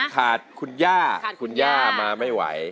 ขาดคุณย่าคุณย่ามาไม่ไหว